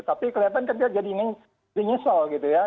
tapi kelihatan kan dia jadi ingin menyesal gitu ya